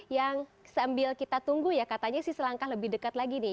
yang sambil kita tunggu ya katanya sih selangkah lebih dekat lagi nih